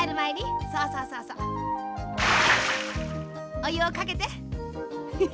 おゆをかけて。